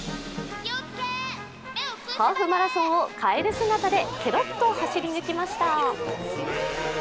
ハーフマラソンをかえる姿でケロッと走り抜きました。